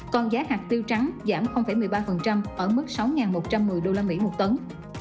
còn giá hạt tiêu trắng giảm một mươi ba ở mức sáu một trăm một mươi đô la mỹ một tấn